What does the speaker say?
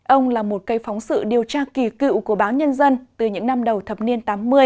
ông là một cây phóng sự điều tra kỳ cựu của báo nhân dân từ những năm đầu thập niên tám mươi